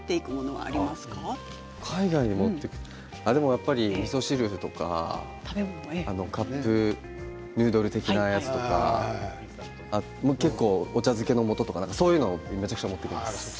やっぱりみそ汁とかカップヌードル的なやつとか結構、お茶漬けのもととかむちゃくちゃ持っていきます。